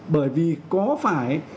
bởi vì có phải